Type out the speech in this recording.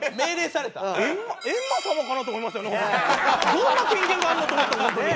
どんな権限があるの？と思った本当に。